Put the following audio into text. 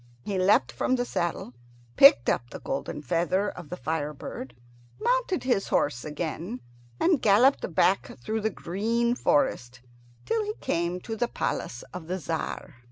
He leapt from the saddle, picked up the golden feather of the fire bird, mounted his horse again, and galloped back through the green forest till he came to the palace of the Tzar.